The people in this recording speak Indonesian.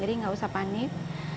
jadi gak usah panik